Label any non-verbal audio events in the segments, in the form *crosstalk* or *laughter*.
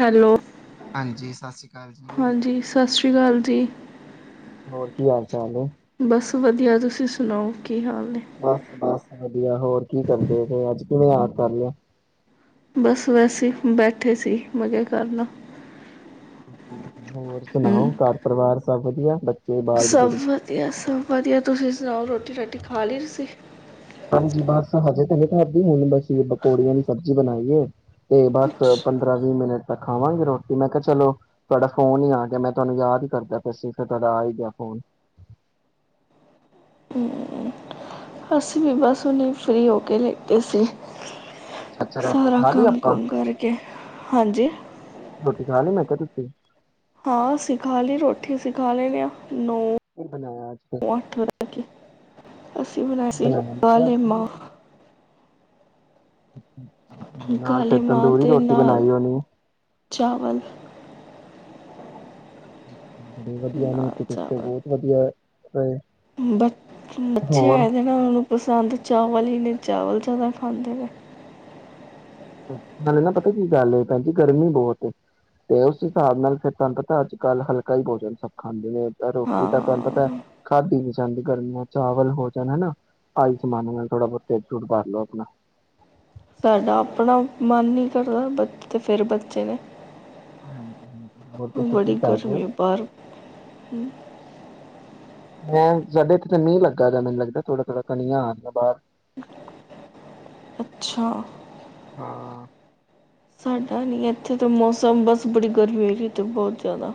Hello. ਹਾਂਜੀ। ਸਤਿ੍ ਰੀ ਅਕਾਲ। ਹਾਂਜੀ ਸਤਿ ਸ਼੍ਰੀ ਕਾਲ ਜੀ। ਹੋਰ ਕੀ ਹਾਲ ਚਾਲ ਏ। ਬਸ ਵਧੀਆ। ਤੁਸੀਂ ਸੁਣਾਓ। ਕੀ ਹਾਲ ਨੇ ਬਸ, ਬਸ। ਕੀਏ ਹੋਰ ਕੀ ਕਰਦੇ ਫੇ ਅੱਜ। ਕਿਵੇਂ ਯਾਦ ਕਰ ਲੇਆ। ਬਸ ਵੈਸੇ, ਬੈਠੇ ਸੀ, ਮਜੇ ਕਰਨ। *unintelligible* ਹੋਰ ਸੁਣਾਓ ਘਰ ਪਰਿਵਾਰ ਸਭ ਵਧੀਆ ਬੱਚ ਸਭ ਵਧੀਆ, ਸਭ ਵਧੀਆ। ਤੁਸੀਂ ਸੁਣਾਓ ਰੋ। ਰੋਟੀ ਰਾਟੀ ਖਾ ਲਈ ਤੁਸੀਂ। ਹੁਨੇ ਖਾਦੀ ਹੁਨ ਬਸ ਪਕੌੜਿਆਂ ਦੀ ਸਬਜ਼ੀ ਬਨਾਈਏ। ਇਹ ਬਸ, ਪੰਦਰਾਂ, ਵੀਹ ਮਿੰਟ ਤਾ ਖਾਵਾਂਗੇ ਰੋਟੀ ਮੈਂ ਕਿਹਾ ਚਲੋ ਤੁਹਾਡਾ ਫੋਨ ਈ ਆ ਗਿਆ। ਮੈਂ ਤੁਹਾਨੂੰ ਯਾਦ ਈ ਕਰਦਾ ਪਿਆ ਸੀ ਫਿਰ ਤੁਹਾਡਾ ਆ ਈ ਗਿਆ ਫੋਨ। ਅ ਅਸੀਂ ਵੀ ਬਸ ਹੁੰਨੇ ਫ੍ਰੀ ਹੋ ਕੇ ਲੈਟ ਸੀ। ਅੱਛਾ ਅੱਛਾ ਰੋਟੀ ਸਾਰਾ ਖਾ ਲਈ ਕੰਮ ਆਪਾਂ ਕੁਮ ਕਰਕੇ ਹਾਜੀ। ਕਦੋ ਸੀ। ਹਾਂ ਅਸੀਂ ਖਾ ਲੀ ਰੋਟੀ, ਅਸੀਂ ਖਾ ਲੈਨੇ ਆ। ਨੌ ਕੀ ਬਣਾਇਆ ਅੱਜ ਫਿਰ ਅੱਠ *unintelligible* ਅਸੀਂ ਬਣਾਏ ਸੀ ਬਣਾਇਆ ਮੈਂ ਕਿਹਾ ਕਾਲੇ ਮਾਂ। ਨਾਲ ਫਿਰ ਕਾਲੀ ਮਾਂ ਤੰਦੂਰੀ ਦੇ ਰੋਟੀ ਨਾਲ ਬਣਾਈ ਹੋਣੀ ਚਾਵਲ। *unintelligible* ਬੜੇ ਵਧੀਆ ਨੇ ਨਾਲ *unintelligible* ਬੋਤ ਵਧੀਆ। *unintelligible* ਬਚ ਬੱਚੇ ਹੋਰ ਆਏ ਦੇ ਨੇ ਉਹਨਾ ਨੂੰ ਪਸੰਦ ਚਾਵਲ ਈ ਨੇ ਚਾਵਲ ਜ਼ਿਆਦਾ ਖਾਂਦੇ ਨੇ ਨਾਲੈ ਨਾ ਪਤਾ ਕੀ ਗੱਲ ਏ ਭੈਣ ਜੀ ਗਰਮੀ ਬੋਤ ਏ ਤੇ ਉਸ ਹਿਸਾਬ ਨਾਲ ਫੇਰ ਤੁਹਾਨੂੰ ਪਤਾ ਅੱਜ ਕੱਲ ਹਲਕਾ ਈ ਭੋਜਨ ਸਭ ਖਾਂਦੇ ਨੇ ਰੋਟੀ ਤਾ ਤੁਹਾਨੂੰ ਪਤਾ ਏ ਹਾਂ ਖਾਦੀ ਨੀ ਜਾਂਦੀ ਗਰਮੀਆਂ ਚਾਵਲ ਹੋ ਜਨ ਹੈਨਾ ਆਈ ਸਮਾਨ ਨਾਲ ਥੋੜ੍ਹਾ ਬੋਤ ਢੇਡ ਢੁਡ ਭਰ ਲੋੋ ਆਪਣਾ ਸਾਡਾ ਆਪਣਾ ਮਨ ਨੀ ਕਰਦਾ, ਬਚ ਫੇਰ ਬੱਚੇ ਨੇ ਹਾਂਜੀ, ਹਾਂਜੀ। ਬੜੀ ਗਰਮੀ ਏ ਬਾਰ ਮੈਂ ਸਾਡੇ ਇੱਥੇ ਤਾਂ ਮੀਂਹ ਲੱਗਾ ਦੈ ਮੈਨੂੰ ਲੱਗਾ ਦਾਏ ਥੋੜਾ, ਥੋੜਾ ਕਣੀਆਂ ਆ ਰਈਆਂ ਬਾਰ ਛਾਂ। ਸਾਡਾ ਨੀ ਇੱਥੇ ਤਾਂ ਮੌਸਮ ਬਸ ਬੜੀ ਗਰਮੀ ਹੋਈ ਦੀ ਏ ਬੋਤ ਜ਼ਿਆਦਾ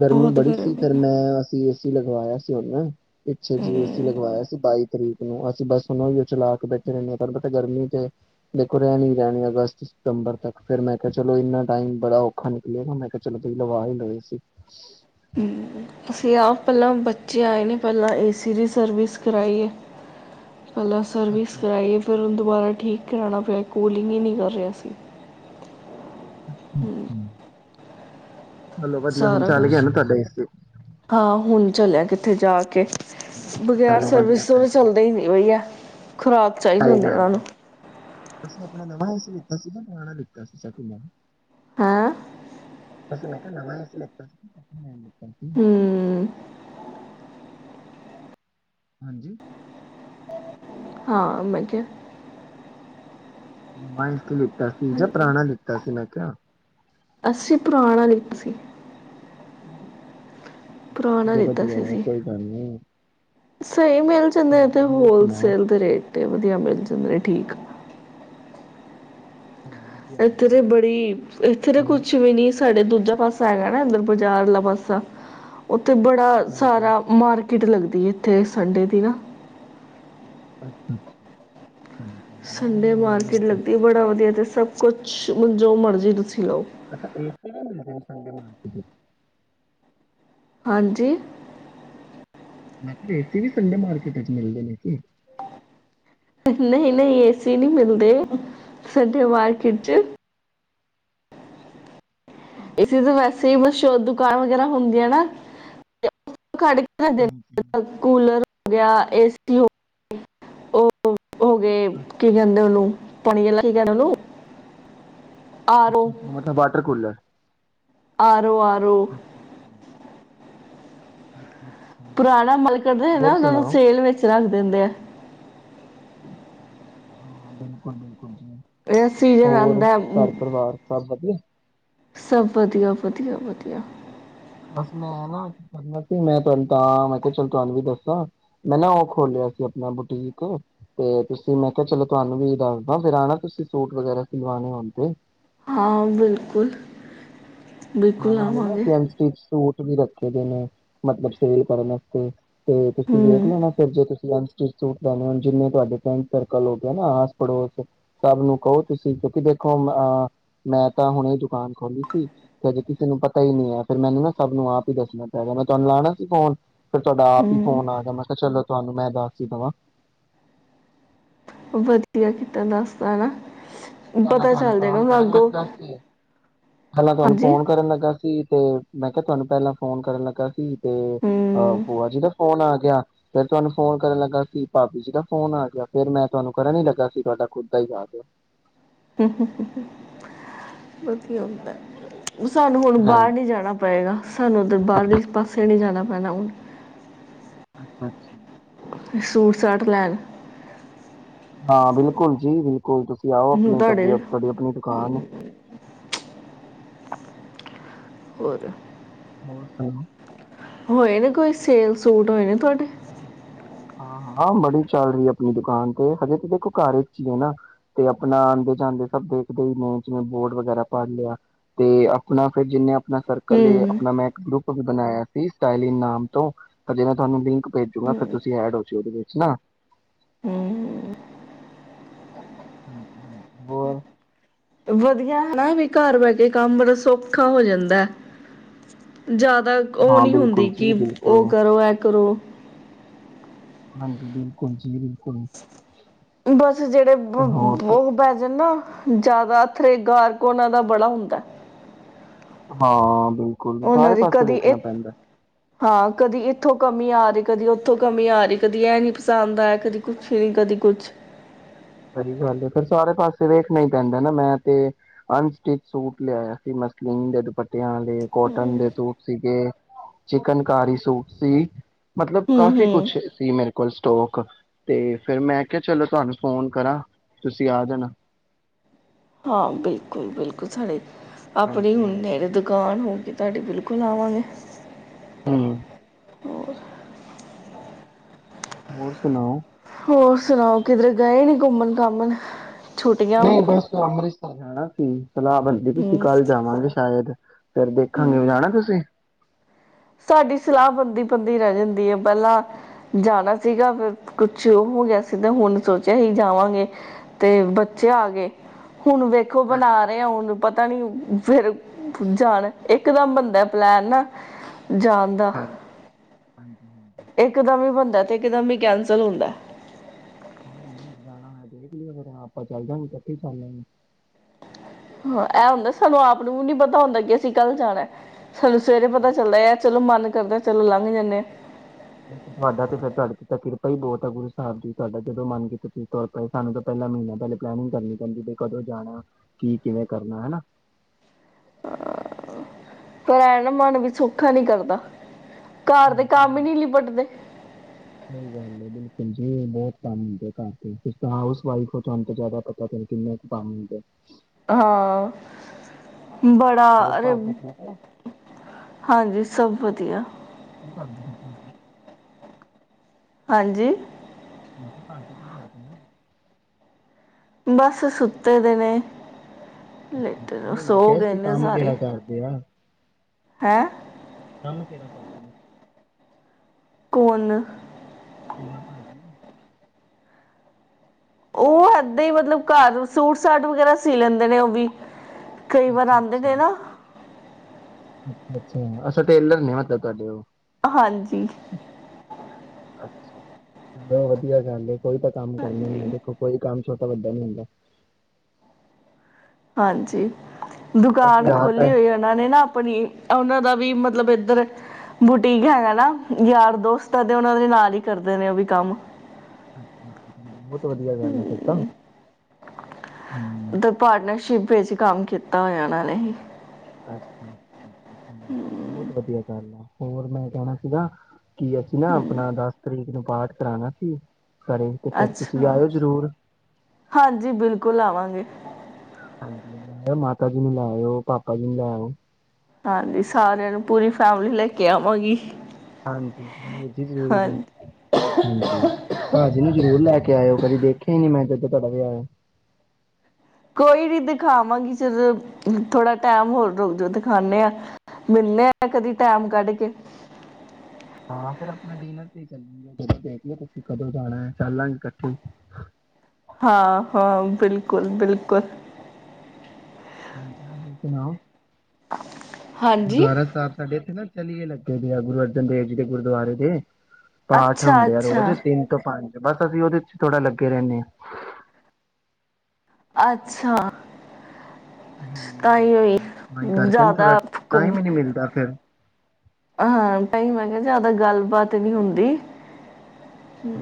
ਗਰਮੀ ਬਹੁਤ ਬੜੀ ਸੀ, ਗਰਮੀ ਫਿਰ ਹੈ ਮੈਂ ਅਸੀਂ ਏਸੀ ਲਗਵਾਇਆ ਸੀ ਹੁਨੇ ਪਿੱਛੇ ਜ ਏ ਸੀ ਹਮ ਲਗਵਾਇਆ ਸੀ ਬਾਈ ਤਰੀਕ ਨੂੰ ਅਸੀਂ ਬਸ ਦਸ ਪੰਦਰਾਂ ਉਹ ਚਲਾ ਕੇ ਬੈਠੇ ਰਹਿੰਦੇ ਪਰ ਬਟ ਗਰਮੀ ਤੇ ਦੇਖੋ ਰਹਿਣੀ ਹੀ ਅਗਸਤ ਸਤੰਬਰ ਤੱਕ ਫੇਰ ਮੈਂ ਕਿਹਾ ਚਲੋ ਇੰਨਾ ਟਾਈਮ ਬੜਾ ਔਖਾ ਨਿਕਲੇਗਾ ਮੈਂ ਕਿਹਾ ਚਲੋ ਤੁਸੀਂ ਲਵਾ ਹੀ ਲ *inaudible* ਅਸੀ ਆਪ, ਪਹਿਲਾਂ ਬੱਚੇ ਆਏ ਨੇ ਪਹਿਲਾਂ ਏ ਸੀ ਦੀ ਸਰਵਿਸ ਕਰਾਈ ਏ ਪਹਿਲਾਂ ਸਰਵਿਸ ਅੱਛਾ ਕਰਾਈ ਏ, ਫਿਰ ਹੁਣ ਦੁਬਾਰਾ ਠੀਕ ਕਰਾਉਣਾ ਪਿਆ ਕੂਲਿੰਗ ਹੀ ਨਹੀਂ ਕਰ ਰਿਹਾ ਸੀ ਅੱਛਾ-ਛਾ ਚਲੋ ਵਧੀਆ ਹੁਣ ਸਾਰਾ ਚੱਲ ਗਿਆ ਕੁਛ ਨਾ ਤੁਹਾਡਾ ਏ ਸੀ ਚਲਿਆ ਕਿੱਥੇ ਜਾ ਕੇ ਬਗ਼ੈਰ ਚਲੋ ਵਧੀਆ ਸਰਵਿਸ ਭੈਣ ਤੋਂ ਜੀ ਚੱਲਦੇ ਹੀ ਨ ਉਹੀ ਏ ਖੁਰਾਕ ਚਾਹੀ ਦੀ ਸਹੀ ਹੁੰਦੀ ਇਹਨਾਂ ਗੱਲ ਨੂੰ ਹੈ ਤੁਸੀਂ ਆਪਣਾ ਨਵਾਂ ਲਿਤਾ ਸੀ ਤਾਂ ਪੁਰਾਣਾ ਲਿਤਾ ਸੀ ਹੈਂ ਅਸੀਂ ਮੈਂ ਕਿਹਾ ਨਵਾਂ ਏ ਸੀ ਲਿਤਾ ਸੀ *unintelligible* ਹਮ ਹਾਂਜੀ ਹਾਂ, ਮੈਂ ਕਿਹਾ *unintelligible* ਤਾ ਸੀ ਜਾਂ ਪੁਰਾਣਾ ਲਿਤਾ ਸੀ ਮੈਂ *unintelligible* ਅੱਸੀ ਪੁਰਾਣਾ ਲਿਤਾ ਸੀ ਪੁਰਾਣਾ ਚਲੋ ਲਿੱਤਾ ਵਧੀਆ ਸੀ ਹੈ ਅਸੀਂ ਕੋਈ ਗੱਲ ਨੀ ਸਹੀ ਮਿਲ ਜਾਂਦੇ ਇੱਥੇ ਹੋਰ ਸੁਣਾਓ ਹੋਲਸੇਲ ਦੇ ਰੇਟ ਤੇ ਵਧੀਆ, ਮਿਲ ਜਾਂਦੇ ਨੇ ਠੀਕ ਚਲੋ ਵਧੀਆ ਗੱਲ ਇੱਥੇ ਤੇ ਹੈ ਬੜੀ ਇੱਥੇ ਤੇ ਉਹ ਕੁਛ ਵੀ ਨੀ ਸਾਡੇ ਧੁੱਪ ਦੂਜਾ ਪਾਸਾ ਹੈਗਾ ਨਾ ਇੰਦਰ ਬਾਜ਼ਾਰ ਵਾਲਾ ਪਾਸਾ ਉੱਥੇ ਬੜਾ ਗੱਲ ਸਾਰਾ ਅੱਛਾ ਮਾਰਕਿਟ ਲੱਗਦੀ ਇੱਥੇ ਸੰਡੇ ਦੀ ਨਾ ਅੱਛਾ ਅੱਛਾ ਸੰਡੇ ਮਾਰਕੀਟ ਲੱਗਦੀ ਬੜਾ ਵਧੀਆ ਤੇ ਸਭ ਕੁਛ ਜੋ ਮਰਜ਼ੀ ਤੁਸੀਂ ਲਓ ਅੱਛਾ ਇਹ ਸਿਰ੍ਫ ਸੰਡੇ ਮਾਰਦੀ ਏ ਹਾਂਜੀ ਮੈਂ ਕਿਹਾ ਏ ਸੀ ਵੀ ਸੰਡੇ ਮਾਰਕੀਟ ਚ ਮਿਲਦੇ ਨੇ ਜੀ ਨਹੀਂ ਨਹੀਂ ਏ ਸੀ ਨਹੀਂ ਮਿਲਦੇ ਸਾਡੇ ਮਾਰਕੀਟ ਚ ਇਸੇ ਤਾਂ ਵੈਸੇ ਹੀ, ਮਸ਼ਹੂਰ ਦੁਕਾਨ ਵਗੈਰਾ ਹੁੰਦੀਆਂ ਨਾ ਕੱ ਕੂਲਰ ਹੋ ਗਿਆ ਏ ਉ ਉ ਹੋ ਗਏ ਕੀ, ਕਹਿੰਦੇ ਉਹਨੂੰ ਪਾਣੀਆਂ *inaudible* ਅੱਛਾ। ਉਹ ਮਤਲਬ ਵਾਟਰ ਕੂਲਰ ਆਰੋ ਆਰੋ ਪੁਰਾਣਾ ਮਲਕਦੇ ਨਾ ਹੋਰ ਉਹਨਾਂ ਨੂੰ ਸੁਣਾਓ ਸੇਲ ਵੇਚ ਏ ਦਿੰਦੇ ਆ ਹਾਂ। ਬਿਲਕੁਲ, ਬਿਲਕੁਲ ਹਾਂਜੀ, ਇਹ ਸੀਜ਼ਨ ਹੋਰ ਆਂਦਾ ਘਰ ਪਰਿਵਾਰ ਸਭ ਵਧੀਆ ਸਭ ਵਧੀਆ ਵਧੀਆ ਵਧੀਆ ਬਸ ਮੈਂ ਨਾ ਕਰਨਾ ਸੀ ਮੈਂ ਤੁਹਾਨੂੰ ਤਾਂ ਮੈਂ ਕਿਹਾ ਚਲੋ ਤੁਹਾਨੂੰ ਵੀ ਦੱਸਾਂ ਮੈਂ ਨਾ ਉਹ ਖੋਲਿਆ ਸੀ ਆਪਣਾ ਬੁਟੀਕ ਤੇ ਤੁਸੀਂ ਮੈਂ ਕਿਹਾ ਚਲੋ ਤੁਹਾਨੂੰ ਵੀ ਦੱਸਦਾ ਫਿਰ ਆ ਨਾ ਤੁਸੀਂ ਸੂਟ ਵਗੈਰਾ ਸਿਲਵਾਣੇ ਹੋਣ ਤੇ ਹਾਂ। ਬਿਲਕੁਲ ਹਾਂ ਬਿਲਕੁਲ ਨਾਲੇ ਨਾ ਆਵਾਂਗੇ ਅਸੀਂ ਅਨਸਟਿਚ ਸੂਟ ਵੀ ਰੱਖੇ ਦੇ ਨੇ ਮਤਲਬ ਸੇਲ ਕਰਨ ਵਾਸਤੇ ਤੇ ਤੁਸੀਂ ਵੇਖ ਹੂੰ, ਲੈਣਾ ਫਿਰ ਜੋ ਤੁਸੀਂ ਸੂਟ ਲੈ ਹਣ ਜਿੰਨੇ ਤੁਹਾਡੇ ਫਰੈਂਡ ਸਰਕਲ, ਹੋ ਗ ਨਾ ਆਸ ਪੜੋਸ, ਸਭ ਨੂੰ ਕਹੋ ਤੁਸੀਂ ਕਿਉਂਕਿ ਦੇਖੋ ਮੈਂ ਤਾਂ ਹੁਣੇ ਦੁਕਾਨ ਖੋਲੀ ਸੀ ਤੇ ਅਜੇ ਕਿਸੇ ਨੂੰ ਪਤਾ ਹੀ ਨ ਨਹੀਂ ਹੈ, ਫੇਰ ਮੈਨੂੰ ਨਾ ਸਭ ਨੂੰ ਆਪ ਹੀ ਦੱਸਣਾ ਪੈਗਾ ਮੈਂ ਤੁਹਾਨੂੰ ਲਾਉਣਾ ਸੀ ਫੋਨ ਫੇਰ ਤੁਹਾਡਾ ਆਪ ਹੀ ਹੂੰ ਫੋਨ ਆ ਗਿਆ, ਮੈਂ ਕਿਹਾ ਚਲੋ ਤੁਹਾਨੂੰ ਮੈਂ ਦੱਸ ਦੇਵਾਂ ਵਧੀਆ ਕਿੱਤਾ ਦੱਸ ਤਾ ਪਹਿਲਾਂ ਤੁਹਾਨੂੰ ਫੋਨ ਕਰਨ ਲੱਗਾ ਸੀ, ਪਹਿਲਾਂ ਤੁਹਾਨੂੰ ਹਾਂਜੀ ਫੋਨ ਕਰਨ ਲੱਗਾ ਸੀ ਤੇ ਮੈਂ ਕਿਹਾ ਤੁਹਾਨੂੰ ਪਹਿਲਾਂ ਫੋਨ ਕਰਨ ਲੱਗਾ ਸੀ। ਤੇ ਅਹ ਹੂੰ ਭੂਆ ਜੀ ਦਾ ਫੋਨ ਆ *unintelligible* ਫਿਰ ਤੁਹਾਨੂੰ ਫੋਨ ਕਰਨ ਲੱਗਾ ਸੀ ਭਾਬੀ ਜੀ ਦਾ ਫੋਨ ਆ ਗਿਆ ਫਿਰ ਮੈਂ ਤੁਹਾਨੂੰ ਕਰਨ ਹੀ ਲੱਗਾ ਸੀ ਤੁਹਾਡਾ ਖੁਦ ਦਾ ਹੀ ਆ ਗਿਆ। *unintelligible* ਉਹ ਸਾਨੂੰ ਹੁਣ ਹਾਂਜੀ ਬਾਹਰ ਨਹੀਂ ਜਾਣਾ ਪਏਗਾ, ਸਾਨੂੰ ਤੇ ਬਾਹਰਲੇ ਪਾਸੇ ਜਾਣਾ। ਬਣਾਉਣ ਅੱਛਾ। ਸੂਟ ਸਾਟ ਲੈਣ। ਹਾਂ। ਬਿਲਕੁਲ ਜੀ, ਬਿਲਕੁਲ ਤੁਸੀਂ। ਤੁਸੀ ਆਓ ਹੁਣ ਆਪਣੀ ਤ ਤੁਹਾਡੇ ਤੁਹਾਡੀ ਆਪਣੀ ਦੁਕਾਨ ਹੈ। ਹੋਰ *inaudible* ਹੋਰ ਸੁਣਾਓ ਹੋਏ ਨੇ ਕੋਈ ਸੇਲ ਸੂਟ ਹੋਏ ਨੇ ਤੁਹਾਡੇ। ਹਾਂ-ਹਾਂ ਬੜੀ ਚੱਲ ਰਹੀ ਆਪਣੀ ਦੁਕਾਨ ਤੇ ਹਜੇ ਤੇ ਦੇਖੋ ਘਰ ਵਿਚ ਹੀ ਹੈ ਨਾ ਤੇ ਆਪਣਾ ਆਉਂਦੇ ਜਾਂਦੇ ਸਭ ਦੇਖਦੇ ਹੀ ਨੇ ਜਿਵੇਂ ਬੋਰਡ ਵਗੈਰਾ ਪੜ ਲਿਆ ਤੇ ਆਪਣਾ ਫਿਰ ਜਿੰਨੇ ਆਪਣਾ ਸਰਕਲ ਏ ਹੂੰ, ਆਪਣਾ ਮੈਂ ਗਰੁੱਪ ਵੀ ਬਣਾਇਆ ਸੀ ਸਟਾਇਲੀਨ ਨਾਮ ਤੋਂ ਅਜੇ ਮੈਂ ਤੁਹਾਨੂੰ ਲਿੰਕ ਭੇਜੁੰਗਾ ਫੇਰ ਹੂੰ, ਤੁਸੀਂ ਐਡ ਹੋ ਜ ਉਹਦੇ ਵਿੱਚ ਨਾ। ਹੂੰ ਹੋਰ, ਵਧੀਆ ਹਨਾ ਵੀ ਘਰ ਬਹਿ ਕੇ ਕੰਮ ਬੜਾ ਸੌਖਾ ਹੋ ਜਾਂਦਾ ਹੈ। ਜ਼ਿਆਦਾ ਉਹ ਹਾਂ ਨਹੀਂ ਹੁੰਦੀ ਬਿਲਕੁਲ ਕਿ, ਜੀ ਉਹ ਬਿਲਕੁਲ। ਕਰੋ ਇਹ ਕਰੋ। ਹਾਂ, ਬਿਲਕੁਲ ਜੀ ਬਿਲਕੁਲ। *unintelligible* ਜ਼ਿਆਦਾ ਹੋਰ ਅੱਥਰੇ ਗਾਰ ਔਨਾਂ ਦਾ ਬੜਾ ਹੁੰਦਾ ਹੈ। ਹਾਂ। ਬਿਲਕੁਲ ਸਾਰੇ ਦੀ ਪਾਸੇ ਕਦੀ ਇ ਵੇਖਣਾ ਪੈਂਦਾ ਹੈ। ਹਾਂ, ਕਦੀ ਇੱਥੋਂ ਕਮੀ ਆ ਰਹੀ ਕਦੀ ਉੱਥੋਂ ਕਮੀ ਆ ਰਹੀ ਕਦੀ ਇਹ ਨੀ ਪਸੰਦ ਆਇਆ ਕਦੀ ਕੁਛ ਨੀ ਕਦੀ ਕੁਛ ਸਹੀ ਗੱਲ ਹੈ ਫਿਰ ਸਾਰੇ ਪਾਸੇ ਵੇਖਣਾ ਹੀ ਪੈਂਦਾ ਨਾ ਮੈਂ ਤੇ, ਅਨਸਟਿਚ ਸੂਟ ਲਿਆਇਆ ਸੀ ਮਸਲੀਨ ਦੇ ਦੁੱਪਟੇ ਰਿਆਂ ਲਈ ਕੋਟਨ ਦੇ ਸੂਟ ਸੀਗੇ। ਚਿਕਨ ਕਾਰੀ ਸੂਪ ਸੀ। ਮਤਲਬ ਹੂੰ ਕਾਫੀ ਹੂੰ ਕੁਛ ਸੀ ਮੇਰੇ ਕੋਲ। ਦੋ ਕੱਪ ਤੇ ਫੇਰ ਮੈਂ ਕਿਹਾ ਚਲੋ ਤੁਹਾਨੂੰ ਫੋਨ ਕਰਾਂ, ਤੁਸੀਂ ਆ ਜਾਣਾ। ਹਾਂ, ਬਿਲਕੁਲ-ਬਿਲਕੁਲ ਸਾਡੇ ਆਪਣੀ ਹਾਂਜੀ ਹੁਨ ਹਾਂਜੀ ਨੇੜੇ ਦੁਕਾਨ ਹੋਗੀ ਤੁਹਾਡੇ ਬਿਲਕੁਲ ਆਵਾਂਗੇ। ਹਮ, ਹੋਰ ਹੋਰ ਸੁਣਾਓ। ਹੋਰ ਸੁਣਾਓ ਕਿਧਰ ਗਏ ਨੀ ਘੁੰਮਣ- ਘਾਮਣ ਛੁੱਟੀਆਂ ਨਹੀਂ ਬਸ ਅੰਮ੍ਰਿਤਸਰ ਜਾਣਾ। ਹਮ, ਸਲਾਹ ਬੰਦੀ ਤੁਸੀਂ ਹੂੰ ਕੱਲ ਜਾਵਾਂਗੇ ਸ਼ਾਇਦ ਫਿਰ ਦੇਖਾਂਗੇ ਵੀ ਜਾਣਾ ਤੁਸੀਂ ਸਾਡੀ ਸਲਾਹ ਬੰਦੀ- ਬੰਦੀ ਰਹਿ ਜਾਂਦੀ ਹੈ ਪਹਿਲਾਂ, ਜਾਣਾ ਸੀਗਾ ਫੇਰ ਕੁਛ ਉਹ ਹੋ ਗਿਆ ਸੀ ਤੇ ਹੁਣ ਸੋਚਿਆ ਹੀ ਜਾਵਾਂਗੇ ਤੇ ਬੱਚੇ ਆ ਗਏ। ਹੁਣ ਵੇਖੋ ਬਣਾ ਰਹੇ ਹੁਣ ਪਤਾ ਨੀ ਫੇਰ ਜਾਣ ਇੱਕ ਦਮ ਬੰਦਾ ਪਲੈਣ ਨਾ ਜਾਂਦਾ। ਹਾਂਜੀ ਇੱਕਦਮ ਹੀ ਬੰਦਾ। ਟ ਇਕ ਦਮ ਵੀ ਕੈਨਸਲ ਹੁੰਦਾ। ਹਾਂਜੀ ਜਾਣਾ ਹੋਇਆ ਦੇਖ ਲਿਆ ਫਿਰ ਆਪਾਂ ਚੱਲ ਜਾਗੇ ਇਕੱਠੇ ਸਾਲਾਂ ਨੂੰ *unintelligible* ਹਾਂ, ਇਹ ਹੁੰਦਾ ਸਾਨੂੰ ਆਪ ਨੂੰ ਵੀ ਨੀ ਪਤਾ ਹੁੰਦਾ ਕਿ ਅਸੀਂ ਕੱਲ ਜਾਣਾ। ਸਾਨੂੰ ਸਵੇਰੇ ਪਤਾ ਚੱਲਦਾ ਆ ਚਲੋ ਮਨ ਕਰਦਾ ਚਲੋ ਲੰਘ ਜਾਂਦੇ ਤੁਹਾਡਾ ਤੇ ਫਿਰਰ ਤੁਹਾਡੇ ਤੇ ਤਾਂ ਕਿਰਪਾ ਹੀ ਬਹੁਤ ਆ ਗੁਰੂ ਸਾਹਿਬ ਜੀ ਤੁਹਾਡਾ ਜਦੋਂ ਮਨ ਕੀਤਾ ਤ ਸਾਨੂੰ ਤਾਂ ਪਹਿਲਾਂ ਮਹੀਨਾ ਪਹਿਲੇ ਪਲਨਿੰਗ ਕਰਨੀ ਪੈਂਦੀ ਬ ਕਦੋਂ ਜਾਣਾ ਕੀ ਕਿਵੇਂ ਕਰਨਾ ਹੈਾ ਪਰ ਐ ਨਾ ਮਨ ਵੀ ਸੌਖਾ ਨੀ ਕਰਦਾ ਘਰ ਦੇ ਕੰਮ ਹੀ ਨੀ ਲਿਬਟਦੇ ਸਹੀ ਗੱਲ ਹੈ ਬਿਲਕੁਲ ਬਹੁਤ ਪਾ ਹੁੰਦੇ ਘਰ ਤੇ ਫ ਹਾਸ ਵਫ ਤੁਹਾਨੂੰ ਜ਼ਿਆਦਾ ਪਤਾ ਕਿੰਨੇ ਕੁ ਪਾਣੀ ਹੁੰਦੇ ਹਾਂ ਬੜਾ ਹੋਰ ਅਰੇ ਭਾਜੀ ਠੀਕ ਹੈ ਹਾਂਜੀ ਸਭ ਵਧੀਆ ਕੀ ਕਰਦੇ ਫਿਰ ਭਾਜੀ ਹਾਂਜੀ ਮੈਂ ਕਿਹਾ ਪਾ ਕਰਦੇ ਆ ਬਸ ਸੁੱਤੇ ਦੇ ਨੇ ਲੇਟੇ ਨਹੀਂ ਮੈਂ ਸੋ ਕਿਹਾ ਗਏ ਸੀ ਨੇ ਕੰਮ ਸਾਰੇ ਕਿਹੜਾ ਕਰਦੇ ਆ ਹੈਂ ਕੰਮ ਕਿਹੜਾ ਕਰਦੇ ਨਾ ਕੋਨ ਆਈਓ ਭਾਜੀ ਉਹ ਇਦਾਂ ਹੀ ਮਤਲਬ ਘਰ ਸੂਟ ਸਾਟ ਵਗੈਰਾ ਸੀ ਲੈਂਦੇ ਨੇ ਉਹ ਵੀ ਕਈ ਵਾਰ ਆਉਂਦੇ ਨੇ ਨਾ ਅੱਛਾ ਅੱਛਾ ਅੱਛਾ ਟੇਲਰ ਨੇ ਮਤਲਬ ਤੁਹਾਡੇ ਉਹ ਹਾਂਜੀ ਅੱਛਾ ਚ ਵਧੀਆ ਗਦੇ ਕੋਈ ਤਾਂ ਕੰਮ ਕਰਨਾ ਈ ਐ ਹਾਂਜੀ ਦੇਖੋ ਕੋਈ ਕੰਮ, ਛੋਟਾ ਵੱਡਾ ਨੀ ਹੁੰਦਾ। ਹਾਂਜੀ, ਅਸੀਂ ਦੁਕਾਨ ਆਪ ਖੋਲੀ ਹੈ। ਹੋਈ ਐ ਉਨ੍ਹਾ ਨੇ ਨਾ ਆਪਣੀ ਉਹਨਾਂ ਦਾ, ਵੀ ਮਤਲਬ ਇੱਧਰ ਬੁਟੀਕ ਹੈਗਾ ਨਾ ਯਾਰ ਦੋਸਤ ਆ ਤੇ ਉਹਨਾਂ ਦੇ ਨਾਲ ਹੀ ਕਰਦੇ ਨੇ ਉਹ ਵੀ ਕੰਮ, ਜੀ ਬਹੁਤ ਵਧੀਆ ਗੱਲ ਆ ਫੇਰ ਤਾ, ਤੇ ਪਾਰਟਨਰਸ਼ਿਪ ਵਿੱਚ ਕੰਮ ਕੀਤਾ ਹੋਇਆ ਉਹਨਾਂ ਨੇ, ਅੱਛਾ ਅੱਛਾ, ਹੁੰ ਬਹੁਤ ਵਧੀਆ ਕੰਮ ਐ। ਹੋਰ ਮੈਂ ਕਹਿਣਾ ਸੀਗਾ। ਕੀ ਅਸੀਂ ਨਾ ਆਪਣਾ ਦਸ ਤਰੀਕ ਨੂੰ, ਪਾਠ ਕਰਾਣਾ ਸੀ। ਘਰੇ ਤੇ ਫਿਰ ਤੁਸੀਂ ਅੱਛਾ ਆਇਓ ਜ਼ਰੂਰ। ਹਾਂਜੀ ਬਿਲਕੁਲ ਆਵਾਂਗੇ। ਹਾਂਜੀ ਨਾਲੇ ਮਾਤਾ ਜੀ ਨੂੰ ਲੈ ਆਇਓ ਪਾਪਾ ਜੀ ਨੂੰ ਲੈ ਆਇਓ। ਹਾਂਜੀ ਸਾਰਿਆਂ ਨੂੰ ਪੂਰੀ ਫੈਮਿਲੀ ਲੈ ਕੇ ਆਵਾਂਗੀ। ਹਾਂਜੀ *unintelligible* ਜ਼ਰੂਰ ਹਾਂਜੀ ਹਾਂਜੀ ਭਾਜੀ ਨੂੰ ਜਰੂਰ ਲੈ ਕੇ ਆਇਓ ਕਦੀ ਦੇਖਿਆ ਹੀ ਨੀ ਮੈਂ ਤੇ, ਘੜੇ ਵੀ ਆਏ ਐ। ਕੋਈ ਨੀ ਦਿਖਾਵਾਂਗੀ ਜਦੋ ਥੋੜਾ ਟੈਮ ਹੋਰ ਰੁਕ ਜੋ ਦਿਖਾਉਨੇ ਆਂ ਮਿਲਦੇ ਆ ਕਦੀ ਟੈਮ ਕੱਢ ਕੇ, ਹਾਂ ਫਿਰ ਆਪਣੇ ਡਿਨਰ ਤੇ ਹੀ ਚੱਲਾਗੇ ਦੇਖਲੋ ਤੁਸੀਂ ਕਦੋਂ ਜਾਣਾ ਐ ਚੱਲਾਂਗੇ ਇਕੱਠੇ ਈ, ਹਾਂ ਹਾਂ ਬਿਲਕੁਲ ਬਿਲਕੁਲ, ਹਾਂਜੀ ਹੋਰ ਸੁਣਾਓ। ਹਾਂਜੀ ਗੁਰਦੁਆਰਾ ਸਾਹਿਬ ਸਾਡੇ ਇੱਥੇ ਨਾ, ਚੱਲਏ ਲੱਗੇ ਆ ਗੁਰੂ ਅਰਜਨ ਦੇਵ ਜੀ ਦੇ ਗੁਰਦੁਆਰੇ ਦੇ, ਪਾਠ ਅੱਛਾ ਹੁੰਦੇ ਐ ਰੋਜ਼ ਅੱਛਾ ਤਿੰਨ ਤੋਂ ਪੰਜ, ਬਸ ਅਸੀਂ ਉਹਦੇ ਚ ਥੋੜ੍ਹਾ ਲੱਗੇ ਰਹਿੰਨੇ ਆ। ਅੱਛਾ ਹਾਂ ਤਾਹੀਓ। ਤਾਂ ਕਰਕੇ ਨਾ ਥੋੜਾ ਟਾਈਮ ਹੀ ਨਹੀਂ ਲਗਦਾ ਫੇਰ, ਹਾਂ ਭਾਈ ਮੈਂ ਕਿਹਾ ਜਿਆਦਾ ਗੱਲ ਬਾਤ ਨੀ ਹੁੰਦੀ।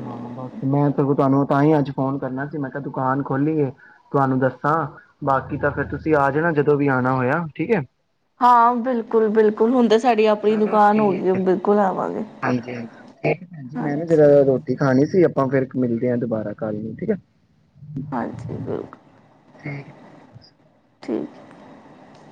ਹਾਂ ਬਸ ਮੈਂ ਸਗੋਂ ਤੁਹਾਨੂੰ ਤਾਂ ਹੀ ਅੱਜ ਫੋਨ ਕਰਨਾ ਸੀ ਮੈਂ ਕਿਹਾ ਦੁਕਾਨ ਖੋਲੀਏ ਤੁਹਾਨੂੰ ਦੱਸਾਂ ਬਾਕੀ ਤਾਂ ਫਿਰ ਤੁਸੀਂ ਆਜੋ ਨਾ ਜਦੋਂ ਵੀ ਆਉਣਾ ਹੋਇਆ ਠੀਕ ਐ। ਹਾਂ ਬਿਲਕੁਲ ਬਿਲਕੁਲ ਹੁੰ ਚਲੋ ਠੀਕ ਐ ਹਾਂਜੀ ਹਾਂਜੀ ਠੀਕ ਐ ਜੀ ਮੈਂ ਨਾ ਹਾਂਜੀ ਜਰਾ ਹਾਂਜੀ ਰੋਟੀ ਖਾਣੀ ਸੀ। ਆਪਾਂ ਫੇਰ ਮਿਲਦੇ ਹਾਂ ਦੁਬਾਰਾ ਕੱਲ ਨੂੰ ਠੀਕ ਐ। ਹਾਂਜੀ ਬਿਲਕੁਲ, ਠੀਕ ਐ। ਠੀਕ ਐ।